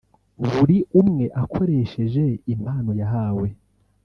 buri umwe akoresheje impano yahawe